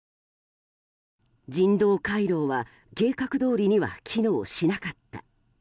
人道回廊は計画どおりには機能しなかった。